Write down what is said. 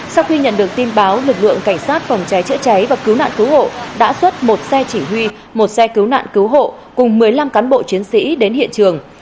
sau khi nhận được tin báo lực lượng cảnh sát phòng cháy chữa cháy và cứu nạn cứu hộ đã xuất một xe chỉ huy một xe cứu nạn cứu hộ cùng một mươi năm cán bộ chiến sĩ đến hiện trường